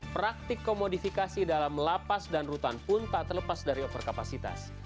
praktik komodifikasi dalam lapas dan rutan pun tak terlepas dari overkapasitas